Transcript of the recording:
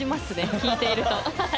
聴いていると。